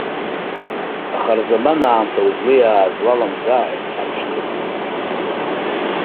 Ахырзаман аамҭа узлиааз уаламӡааит, аԥшқа!